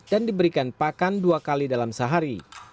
dan diberikan pakan dua kali dalam sehari